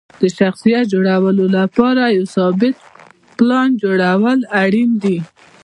د شخصیت جوړونې لپاره یو ثابت پلان جوړول اړین دي.